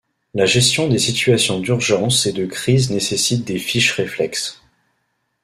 La gestion des situations d'urgence et de crise nécessite des fiches réflexes.